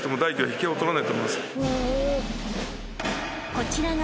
［こちらが］